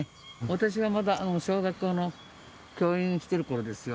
私がまだ小学校の教員してる頃ですよ。